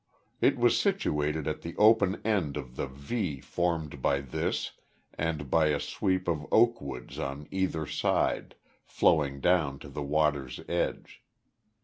It was situated at the open end of the V formed by this and by a sweep of oakwoods on either side, flowing down to the water's edge.